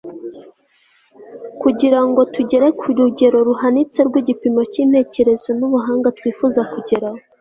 kugira ngo tugere ku rugero ruhanitse rw'igipimo cy'intekerezo n'ubuhanga twifuza kugeraho